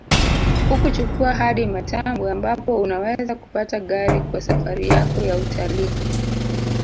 Hukuchukua hadi Matambwe ambapo unaweza kupata gari kwa safari yako ya utalii